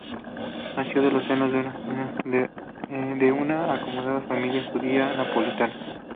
Nació en el seno de una acomodada familia judía napolitana.